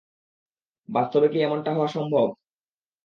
বাস্তবে কি এমনটা হওয়া সম্ভব?